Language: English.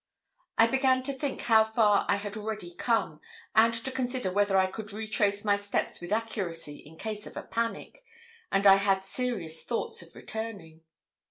I began to think how far I had already come, and to consider whether I could retrace my steps with accuracy in case of a panic, and I had serious thoughts of returning.